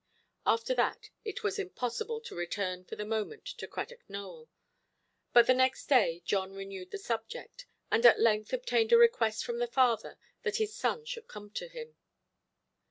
After that it was impossible to return for the moment to Cradock Nowell. But the next day John renewed the subject, and at length obtained a request from the father that his son should come to him.